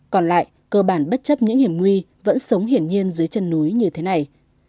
còn lại cơ bản bất chấp những hiểm nguy vẫn sống hiển nhiên dưới chân núi như thế này